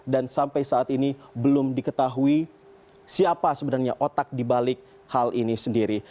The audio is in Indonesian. dan sampai saat ini belum diketahui siapa sebenarnya otak dibalik hal ini sendiri